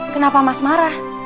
kenapa mas marah